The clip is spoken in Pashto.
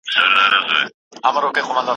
واری د قدرت له نشې مستو لېونیو دی